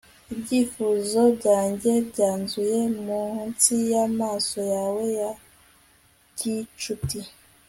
ibyifuzo byanjye byanyuze munsi y'amaso yawe ya gicuti